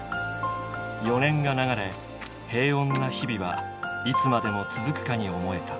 ４年が流れ平穏な日々はいつまでも続くかに思えた。